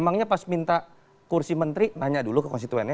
emangnya pas minta kursi menteri nanya dulu ke konstituennya